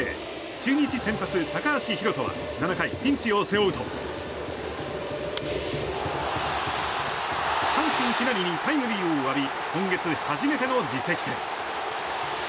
中日先発、高橋宏斗は７回、ピンチを背負うと阪神、木浪にタイムリーを浴び今月初めての自責点。